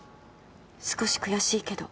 少し悔しいけど。